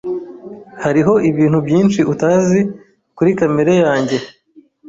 Hariho ibintu byinshi utazi kuri kamere yanjye.